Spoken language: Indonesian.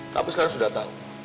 kamu sekarang sudah tahu